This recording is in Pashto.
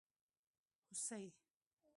🦌 هوسي